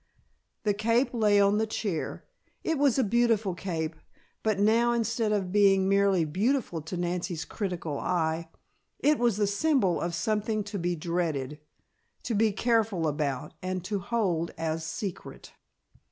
The cape lay on the chair. It was a beautiful cape, but now instead of being merely beautiful to Nancy's critical eye, it was the symbol of something to be dreaded, to be careful about, and to hold as secret!